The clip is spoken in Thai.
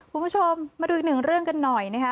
คุณผู้ชมมาดูอีกหนึ่งเรื่องกันหน่อยนะคะ